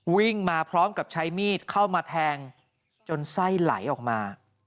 วิ่งมาพร้อมกับใช้มีดเข้ามาแทงจนไส้ไหลออกมา